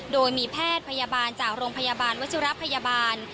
โดยมีแพทย์พยาบาลจากโรงพยาบาลวชิระพยาบาล